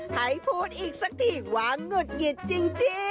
ใครพูดอีกสักทีวังหรือยิดจริง